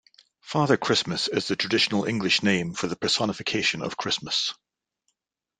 Father Christmas is the traditional English name for the personification of Christmas